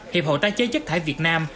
hiệp hội tái chế chất thải việt nam